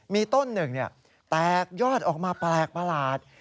มีต้นหนึ่งแตกยอดออกมาแปลกประหลาด